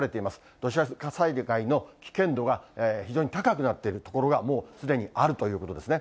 土砂災害の危険度が非常に高くなっている所が、もうすでにあるということですね。